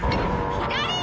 左！